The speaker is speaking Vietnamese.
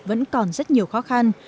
vẫn còn rất nhiều khó khăn